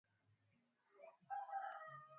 aliandika kwenye Twitter siku ya Alhamis